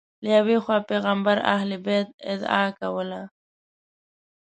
له یوې خوا پیغمبر اهل بیت ادعا کوله